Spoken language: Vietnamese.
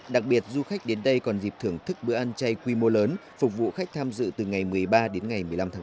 đặc biệt du khách đến đây còn dịp thưởng thức bữa ăn chay quy mô lớn phục vụ khách tham dự từ ngày một mươi ba đến ngày một mươi năm tháng bốn